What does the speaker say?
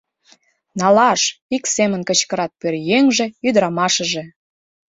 Налаш! — ик семын кычкырат пӧръеҥже, ӱдырамашыже.